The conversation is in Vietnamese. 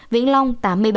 vĩnh long tám mươi ba